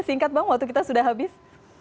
singkat bang waktu kita sudah habis